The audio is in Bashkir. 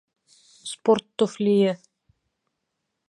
Спорт туфлийы